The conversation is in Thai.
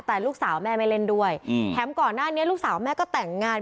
แต่ลูกสาวแม่ไม่เล่นด้วยแถมก่อนหน้านี้ลูกสาวแม่ก็แต่งงาน